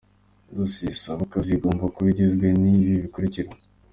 Dossier isaba akazi igomba kuba igizwe n’ibi bikurikira :.;.